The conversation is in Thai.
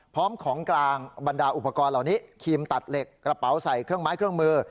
พร้อมของกลางบรรดาอุปกรณ์เหล่านี้ครีมตัดเหล็กกระเป๋าใส่เครื่องไม้เครื่องมือ